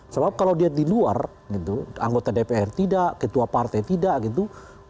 sebab kalau dia di luar gitu anggota dpr tidak ketua partai tidak gitu